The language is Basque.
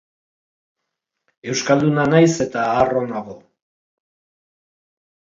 Euskalduna naiz eta harro nago.